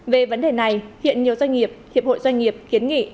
về vấn đề này hiện nhiều doanh nghiệp hiệp hội doanh nghiệp kiến nghị